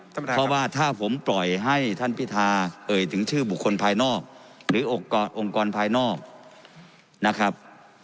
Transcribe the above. ท่านประธานเพราะว่าถ้าผมปล่อยให้ท่านพิธาเอ่ยถึงชื่อบุคคลภายนอกหรือองค์กรภายนอกนะครับ